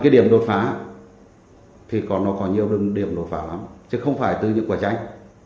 cái điểm đột phá thì nó có nhiều điểm đột phá lắm chứ không phải từ những quả tranh